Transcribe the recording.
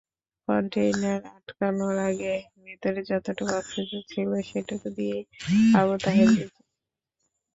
Container আটকানোর আগে ভেতরে যতটুকু অক্সিজেন ছিল সেটুকু দিয়েই আবু তাহের বেঁচেছিলেন।